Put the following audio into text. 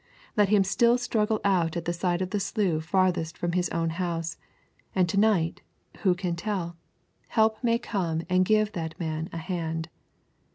Let him still struggle out at the side of the slough farthest from his own house, and to night, who can tell, Help may come and give that man his hand.